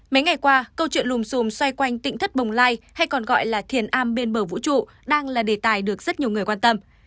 mấy ngày qua câu chuyện lùm xùm xoay quanh tỉnh thất bồng lai hay còn gọi là thiền a bên bờ vũ trụ đang là đề tài được rất nhiều người quan tâm